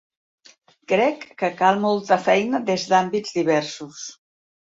Crec que cal molta feina des d’àmbits diversos.